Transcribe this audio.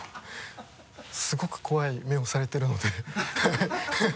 すごく怖い目をされてるので